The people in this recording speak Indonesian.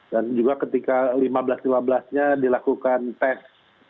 dan juga ketika lima belas lima belas nya dilakukan tes